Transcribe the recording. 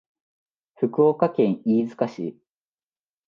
福岡県飯塚市